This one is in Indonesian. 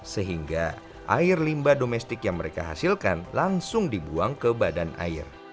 sehingga air limba domestik yang mereka hasilkan langsung dibuang ke badan air